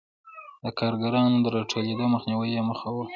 د کارګرانو د راټولېدو مخنیوی یې موخه و.